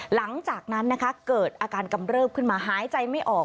หลังจากนั้นนะคะเกิดอาการกำเริบขึ้นมาหายใจไม่ออก